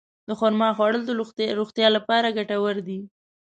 د خرما خوړل د روغتیا لپاره ګټور دي.